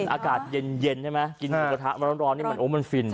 อากาศเย็นใช่ไหมกินหมูกระทะมาร้อนนี่มันโอ้มันฟิน